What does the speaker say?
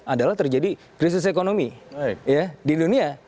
adalah terjadi krisis ekonomi di dunia